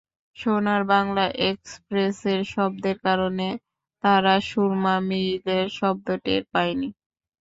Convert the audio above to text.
সোনার বাংলা এক্সপ্রেসের শব্দের কারণে তারা সুরমা মেইলের শব্দ টের পায়নি।